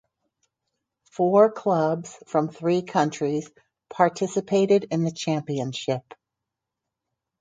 Four clubs from three countries participated in the championship.